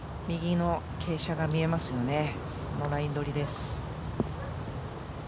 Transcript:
右の傾斜が見えますよね。